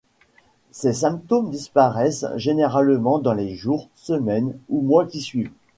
Ces symptômes disparaissent généralement dans les jours, semaines ou mois qui suivent.